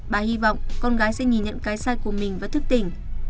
bà hy vọng con gái sẽ nhìn nhận cái sai của mình và thức tỉnh